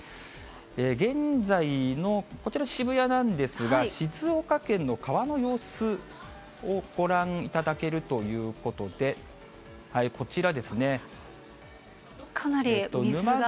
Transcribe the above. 現在のこちら渋谷なんですが、静岡県の川の様子をご覧いただけるということで、こちら。